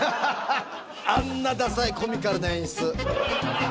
あんなださいコミカルな演出。